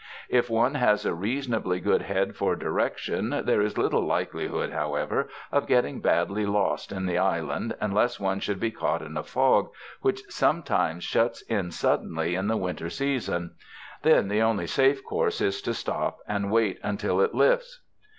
If one has a reasonably good head for direction, there is little likelihood, however, of getting badly lost in the island unless one should be caught in a fog, which sometimes shuts in suddenly in the winter season. Then the only safe course is to stop and wait until it lifts.